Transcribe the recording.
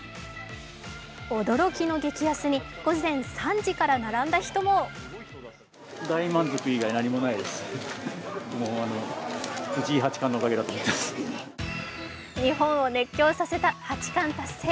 驚きの激安に午前３時から並んだ人も日本を熱狂させた八冠達成。